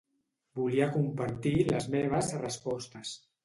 Volia compartir les meves respostes.